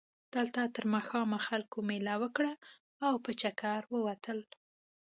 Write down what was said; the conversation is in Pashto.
دلته تر ماښامه خلکو مېله وکړه او په چکر ووتل.